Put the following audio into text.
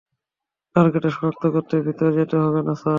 টার্গেটকে সনাক্ত করতে ভিতরে যেতে হবে না, স্যার?